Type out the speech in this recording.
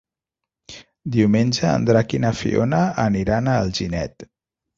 Diumenge en Drac i na Fiona aniran a Alginet.